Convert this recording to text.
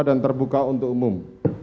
dan terbuka untuk umum